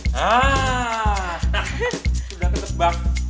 hah sudah ketebak